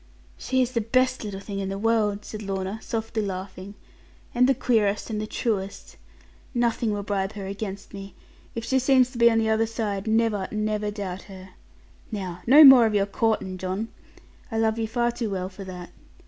'She is the best little thing in the world,' said Lorna, softly laughing; 'and the queerest, and the truest. Nothing will bribe her against me. If she seems to be on the other side, never, never doubt her. Now no more of your "coortin'," John! I love you far too well for that.